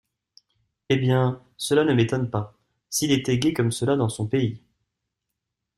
Eh bien, cela ne m'étonne pas, s'il était gai comme cela dans son pays.